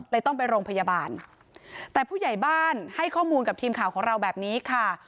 ต้องไปโรงพยาบาลแต่ผู้ใหญ่บ้านให้ข้อมูลกับทีมข่าวของเราแบบนี้ค่ะ